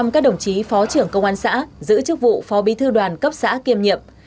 một trăm linh các đồng chí phó trưởng công an xã giữ chức vụ phó bi thư đoàn cấp xã kiêm nhiệm